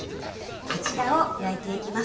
こちらを焼いていきます。